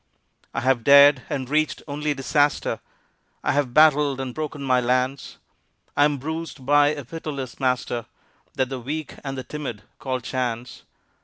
I have dared and reached only disaster, I have battled and broken my lance; I am bruised by a pitiless master That the weak and the timid call Chance.